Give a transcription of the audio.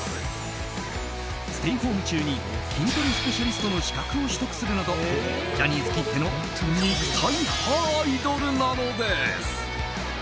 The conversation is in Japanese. ステイホーム中に筋トレスペシャリストの資格を取得するなどジャニーズきっての肉体派アイドルなのです。